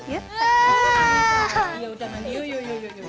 yaudah mandi yuk